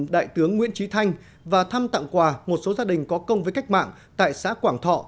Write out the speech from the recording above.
đại tướng nguyễn trí thanh và thăm tặng quà một số gia đình có công với cách mạng tại xã quảng thọ